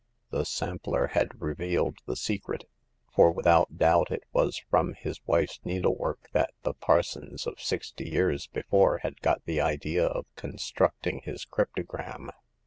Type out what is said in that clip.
The sampler had re vealed the secret ; for without doubt it was from his wife's needlework that the Parsons of sixty years before had got the idea of constructing his cryptogram.